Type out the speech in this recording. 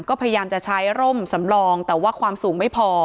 ก็พยายามจะใช้ร่มสำรองแต่ว่าความสูงไม่พอ